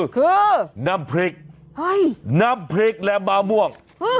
คือน้ำพริกน้ำพริกและมะม่วง